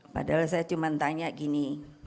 padahal saya cuma tanya gini